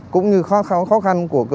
cũng như khó khăn của